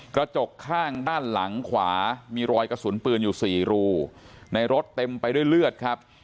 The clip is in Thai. กระจกข้างด้านหลังขวามีรอยกระสุนปืนอยู่สี่รูในรถเต็มไปด้วยเลือดครับ